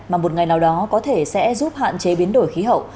mà một ngày nào đó có thể sẽ giúp hạn chế biến đổi khí hậu